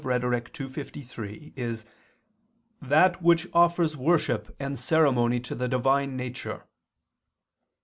Rhet. ii, 53) is that "which offers worship and ceremony to the Divine nature."